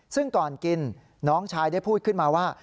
ซึ่งก่อนกินน้องชายได้พูดขึ้นมาว่า